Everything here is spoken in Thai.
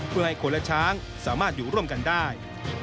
เพื่อให้คนละช้างสามารถอยู่ร่วมกันได้